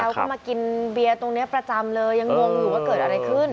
เขาก็มากินเบียร์ตรงนี้ประจำเลยยังงงอยู่ว่าเกิดอะไรขึ้น